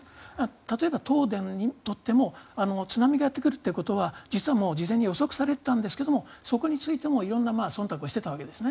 例えば、東電にとっても津波がやってくるということは実はもう事前に予測されていたんですがそこについても色んなそんたくをしていたわけですね。